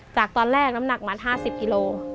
จากตอนแรกน้ำหนักมัน๕๐กิโล